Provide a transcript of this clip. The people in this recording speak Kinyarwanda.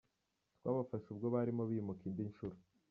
Twabafashe ubwo barimo bimuka indi nshuro.